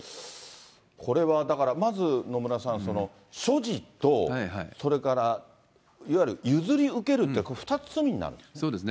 これはだから、まず野村さん、所持と、それからいわゆる譲り受けるって、２つ罪になるんですね？